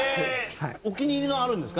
お気に入りのあるんですか？